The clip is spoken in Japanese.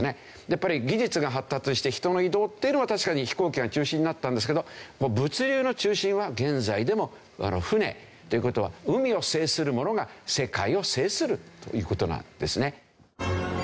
やっぱり技術が発達して人の移動っていうのは確かに飛行機が中心になったんですけど物流の中心は現在でも船っていう事は。という事なんですね。